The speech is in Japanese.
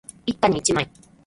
一家に一枚